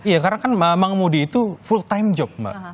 iya karena kan mengemudi itu full time job mbak